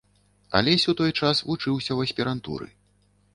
Алесь у той час вучыўся ў аспірантуры.